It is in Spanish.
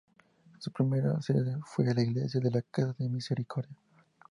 Su primera sede fue la iglesia de la Casa de Misericordia.